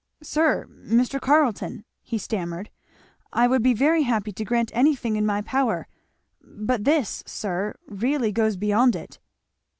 "Sir Mr. Carleton " he stammered, "I would be very happy to grant anything in my power, but this, sir, really goes beyond it."